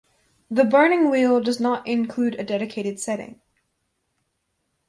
"The Burning Wheel" does not include a dedicated setting.